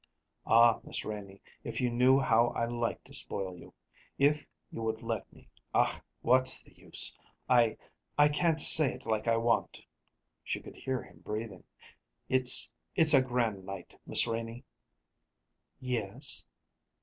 "Ah, Miss Renie, if you knew how I like to spoil you, if you would let me Ach, what's the use? I I can't say it like I want." She could hear him breathing. "It it's a grand night, Miss Renie." "Yes."